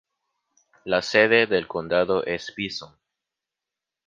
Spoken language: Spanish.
La sede del condado es Bison.